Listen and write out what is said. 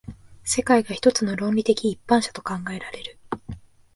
世界が一つの論理的一般者と考えられる。